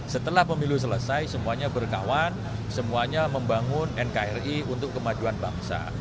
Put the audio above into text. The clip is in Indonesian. setelah pemilu selesai semuanya berkawan semuanya membangun nkri untuk kemajuan bangsa